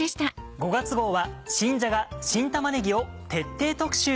５月号は新じゃが・新玉ねぎを徹底特集。